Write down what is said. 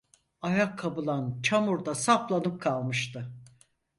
Ayakkabılan çamurda saplanıp kalmıştı.